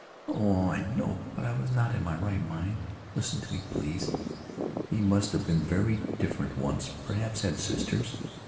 "Oh, I know. But I was not in my right mind. Listen to me, please. He must have been very different once; perhaps had sisters.